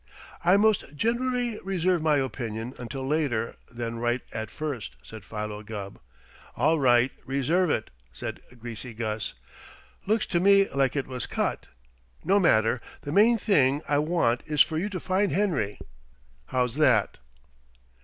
"I most generally reserve my opinion until later than right at first," said Philo Gubb. "All right, reserve it!" said Greasy Gus. "Looks to me like it was cut. No matter. The main thing I want is for you to find Henry. How's that?"